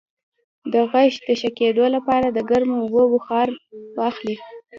د غږ د ښه کیدو لپاره د ګرمو اوبو بخار واخلئ